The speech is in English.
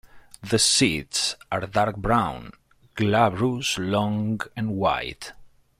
The seeds are dark brown, glabrous, long, and wide.